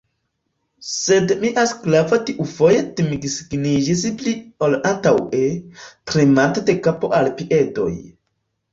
Sed mia sklavo tiufoje timsigniĝis pli ol antaŭe, tremante de kapo al piedoj.